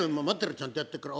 ちゃんとやってっから。